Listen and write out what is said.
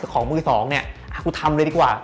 ของมือสองเนี่ยกูทำเลยดีกว่า